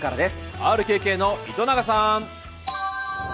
ＲＫＫの糸永さーん。